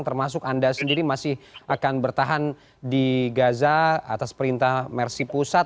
termasuk anda sendiri masih akan bertahan di gaza atas perintah mercy pusat